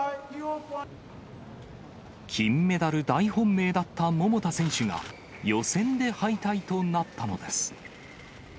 金メダル大本命だった桃田選手が、予選で敗退となったのです。